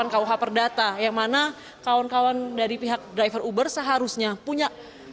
seribu tiga ratus tiga puluh delapan kuh per data yang mana kawan kawan dari pihak driver uber seharusnya punya